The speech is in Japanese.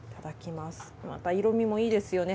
また色味もいいですよね。